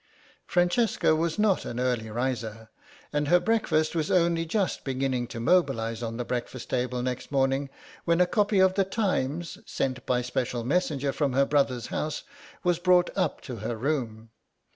Francesca was not an early riser and her breakfast was only just beginning to mobilise on the breakfast table next morning when a copy of The Times, sent by special messenger from her brother's house, was brought up to her room.